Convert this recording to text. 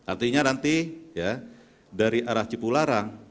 artinya nanti dari arah cipularang